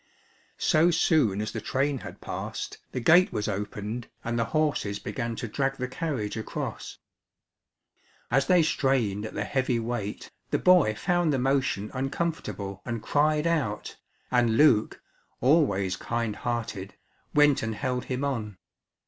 So soon as the train had passed, the gate was opened and the horses began to drag the carriage across. As they strained at the heavy weight, the boy found the motion uncomfortable and cried out, and Luke, always kind hearted, went and held him on.